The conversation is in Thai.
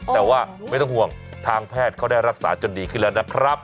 แต่ว่าไม่ต้องห่วงทางแพทย์เขาได้รักษาจนดีขึ้นแล้วนะครับ